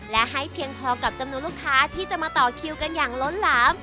และให้เพียงพอกับจำนวนลูกค้าที่จะมาต่อคิวกันอย่างล้นหลาม